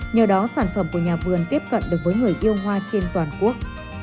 nhờ đó sản phẩm của nhà vườn tiếp cận được với người yêu hoa trên toàn quốc